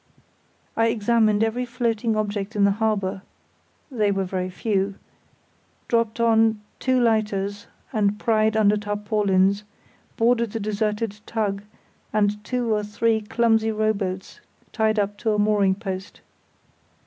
I examined every floating object in the harbour (they were very few), dropped on to two lighters and pried under tarpaulins, boarded a deserted tug and two or three clumsy rowboats tied up to a mooring post.